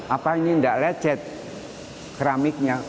apa ini tidak lecet keramiknya